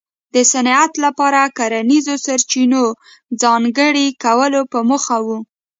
د صنعت لپاره کرنیزو سرچینو ځانګړي کولو په موخه و.